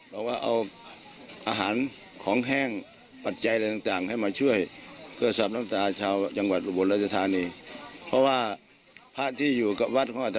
เพราะว่าเอาอาหารของแห้งปัจจัยอะไรต่าง